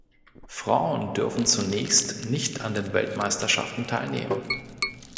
Frauen dürfen zunächst nicht an den Weltmeisterschaften teilnehmen.